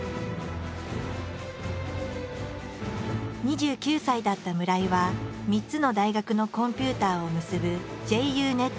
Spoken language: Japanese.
２９歳だった村井は３つの大学のコンピューターを結ぶ「ＪＵＮＥＴ」を構築。